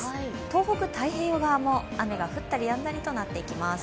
東北、太平洋側も雨が降ったりやんだりとなります。